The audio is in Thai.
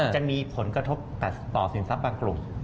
จะมีผลกระทบต่อสินทรัพย์บางกลุ่ม